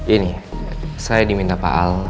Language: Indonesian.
ini saya diminta pak al